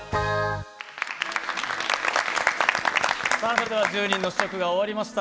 それでは１０人の試食が終わりました。